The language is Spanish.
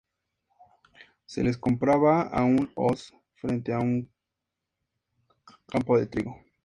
Se les comparaba a una hoz frente a un campo de trigo.